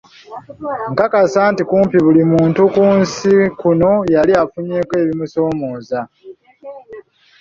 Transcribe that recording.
Nkakasa nti kumpi buli muntu ku nsi kuno yali afunyeeko ebimusoomooza.